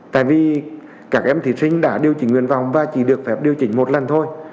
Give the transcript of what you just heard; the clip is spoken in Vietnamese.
tại vì các em thí sinh đã điều chỉnh nguyện vọng và chỉ được phép điều chỉnh một lần thôi